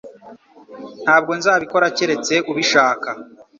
Ntabwo nzabikora keretse ubishaka